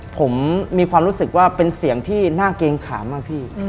ผมมีความรู้สึกว่าเป็นเสียงที่น่าเกรงขามมากพี่